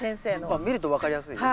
あっ見ると分かりやすいよね。